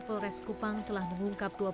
polres kupang telah mengungkap